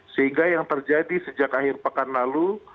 sehingga yang terjadi sejak akhir pekan lalu